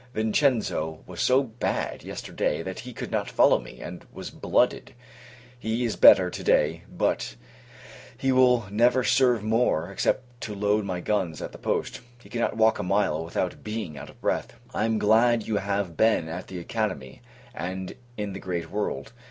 Vincenzo was so bad, yesterday, that he could not follow me, and was blooded. He is better, to day; but he will never serve more, except to load my guns at the post. He cannot walk a mile, without being out of breath. I am glad you have been at the Academy, and in the great world.